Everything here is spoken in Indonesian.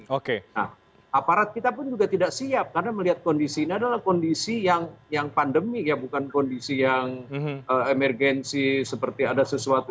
nah aparat kita pun juga tidak siap karena melihat kondisi ini adalah kondisi yang pandemi ya bukan kondisi yang emergensi seperti ada sesuatu